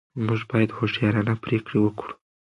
موږ باید هوښیارانه پرېکړې وکړو.